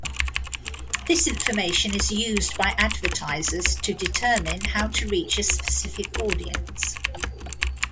This information is used by advertisers to determine how to reach a specific audience.